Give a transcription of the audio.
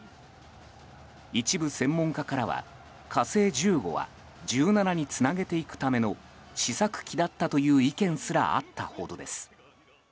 一部専門家からは「火星１５」は「１７」につなげていくための試作機だったという意見すらあったほどです。